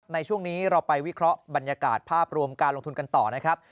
ในช่วงนี้เราไปวิเคราะห์บรรยากาศภาพรวมการลงทุนกันต่อนะครับ